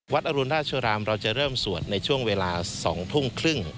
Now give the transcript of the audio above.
อรุณราชรามเราจะเริ่มสวดในช่วงเวลา๒ทุ่มครึ่ง